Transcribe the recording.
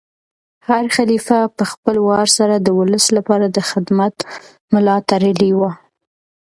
هر خلیفه په خپل وار سره د ولس لپاره د خدمت ملا تړلې وه.